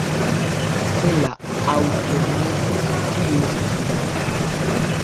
Se la aŭtomato scius tion!